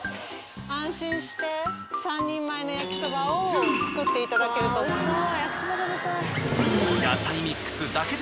安心して３人前の焼きそばを作っていただけると思います。